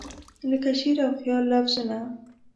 لکه شعر او خیال لفظونه